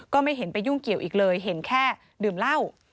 ไม่เห็นไปยุ่งเกี่ยวอีกเลยเห็นแค่ดื่มเหล้า